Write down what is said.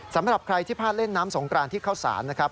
สำหรับใครที่พลาดเล่นน้ำสงกรานที่เข้าสารนะครับ